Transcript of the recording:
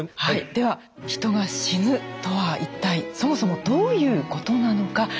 はいでは人が死ぬとは一体そもそもどういうことなのか？